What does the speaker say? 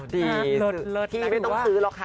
พี่ไม่ต้องซื้อหรอกค่ะ